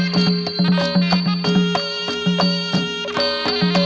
สวัสดีครับ